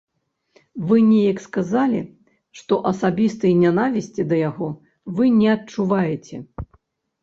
Вы неяк сказалі, што асабістай нянавісці да яго вы не адчуваеце.